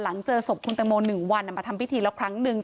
หลังเจอศพคุณเตมโม๑วันมาทำพิธีแล้วครั้งนึง